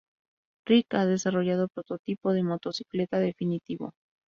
Rick ha desarrollado prototipo de motocicleta definitivo.